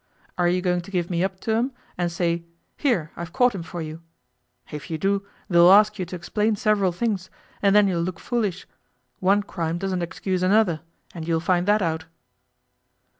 Are you going to give me up to 'em, and say, "Here, I've caught him for you". If you do they'll ask you to explain several things, and then you'll look foolish. One crime doesn't excuse another, and you'll find that out.